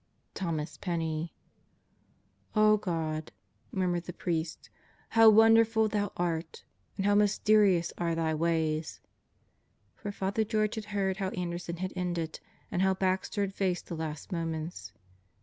THOMAS PENNEY "0 God," murmured the priest, "how wonderful Thou art! And how mysterious are Thy ways!" For Father George had heard how Anderson had ended and how Baxter had faced the last moments.